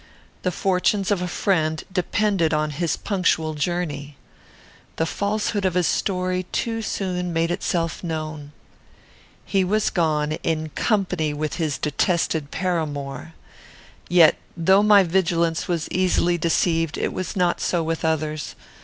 The fortunes of a friend depended on his punctual journey. The falsehood of his story too soon made itself known. He was gone, in company with his detested paramour! "Yet, though my vigilance was easily deceived, it was not so with others.